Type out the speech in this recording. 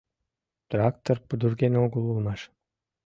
Трактор пудырген огыл улмаш.